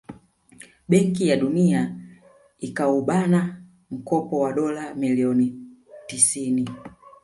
Benki ya Dunia ikaubana mkopo wa dola milioni tisini